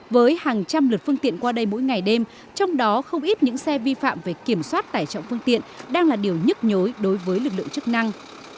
với hàng trăm lượt phương tiện qua đây mỗi ngày đêm trong đó không ít những xe vi phạm về kiểm soát tải trọng phương tiện đang là điều nhức nhối đối với lực lượng chức năng